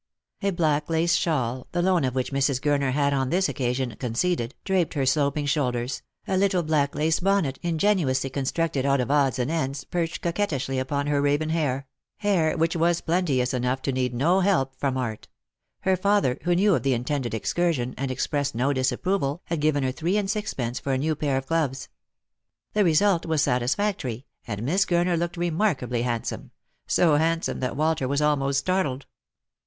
A black lace shawl, the loan of which Mrs. Gurner had on this occasion conceded, draped her sloping shoulders, a little black lace bonnet, ingeniously constructed out of odds and ends, perched coquet tishly upon her raven hair — hair which was plenteous enough ta need no help from art — her father, who knew of the intended excursion, and expressed no disapproval, had given her three and sixpence for a new pair of gloves. The result was satisfac tory, and Miss Gurner looked remarkably handsome — so hand some that Walter was almost startled.